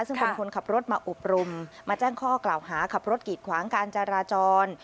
ซึ่งเป็นคนขับรถมาอบรมมาแจ้งข้อกล่าวหาขับรถกิดขวางการจราจร